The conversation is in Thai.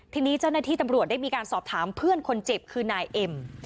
ทีนี้เจ้าหน้าที่ตำรวจได้มีการสอบถามเพื่อนคนเจ็บคือนายเอ็ม